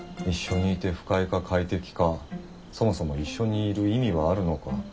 一緒にいて不快か快適かそもそも一緒にいる意味はあるのか。